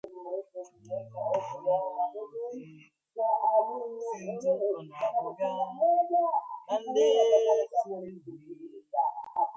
The book is currently published by Three Rivers Press, an imprint of Random House.